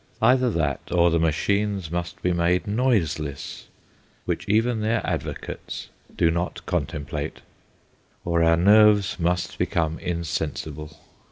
Either that, or the machines must be made noiseless, which even their advocates do 2 THE GHOSTS OF PICCADILLY not contemplate, or our nerves must become insensible.